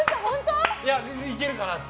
いけるかなって。